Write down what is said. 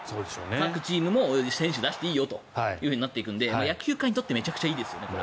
各チームも選手出していいよとなってくるので野球界にとってめちゃくちゃいいですよね。